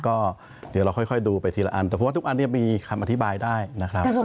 ก็เดี๋ยวเราค่อยดูไปทีละอันแต่เพราะว่าทุกอันนี้มีคำอธิบายได้นะครับ